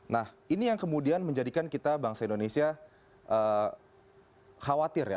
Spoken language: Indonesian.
nah ini yang kemudian menjadikan kita bangsa indonesia khawatir ya